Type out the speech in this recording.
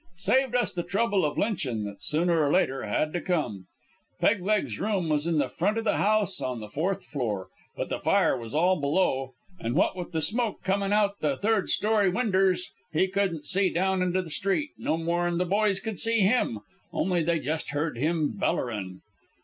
Saved us the trouble o' lynchin' that sooner or later had to come. "Peg leg's room was in the front o' the house on the fourth floor, but the fire was all below, and what with the smoke comin' out the third story winders he couldn't see down into the street, no more'n the boys could see him only they just heard him bellerin'.